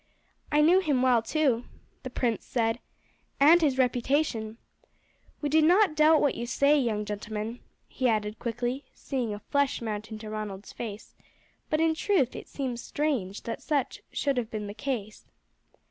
"I knew him well too," the prince said, "and his reputation. We do not doubt what you say, young gentleman," he added quickly, seeing a flush mount into Ronald's face; "but in truth it seems strange that such should have been the case."